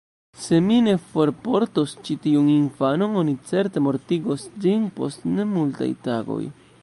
"Se mi ne forportos ĉi tiun infanon, oni certe mortigos ĝin post nemultaj tagoj.